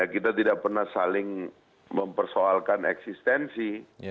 kita tidak pernah saling mempersoalkan eksistensi